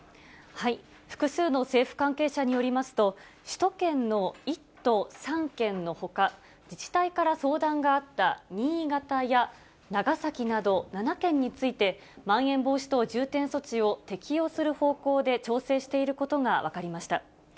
複数の政府関係者によりますと、首都圏の１都３県のほか、自治体から相談があった新潟や長崎など、７県について、まん延防止等重点措置を適用する方向で調整していることが分かりました。